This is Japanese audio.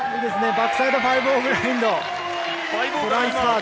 バックサイド５−０グラインド。